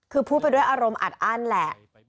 คือพูดไปด้วยอารมณ์อัดอั้นแหละ